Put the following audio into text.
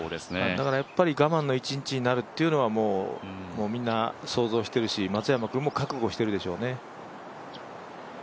だからやっぱり我慢の一日になるっていうのはみんな想像しているし松山君も覚悟しているでしょうね。